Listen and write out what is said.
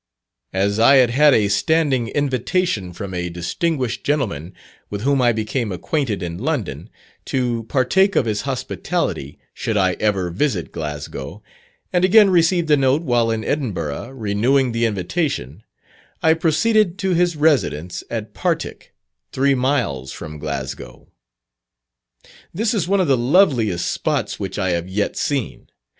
As I had had a standing invitation from a distinguished gentleman with whom I became acquainted in London, to partake of his hospitality, should I ever visit Glasgow, and again received a note while in Edinburgh renewing the invitation, I proceeded to his residence at Partick, three miles from Glasgow. This is one of the loveliest spots which I have yet seen.